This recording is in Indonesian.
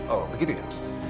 oh begitu ya